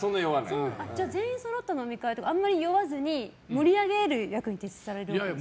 全員そろった飲み会ではあまり酔わずに盛り上げる役に徹されるんですか。